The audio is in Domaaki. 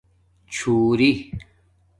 چُھݸری